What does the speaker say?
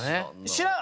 知らん？